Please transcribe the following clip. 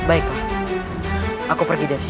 aku akan pergi dari sini